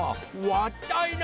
わったいな！